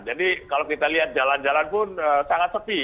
jadi kalau kita lihat jalan jalan pun sangat sepi